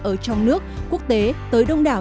ở trong nước quốc tế tới đông đảo